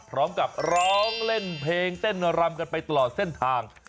พร้อมกับร้องเล่นเพลงเต้นรำกันไปตลอดเส้นทาง